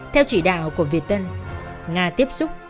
theo chỉ đạo của việt tân nga tiếp xúc